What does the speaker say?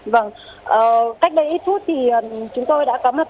vâng cách đây ít phút thì chúng tôi đã có mặt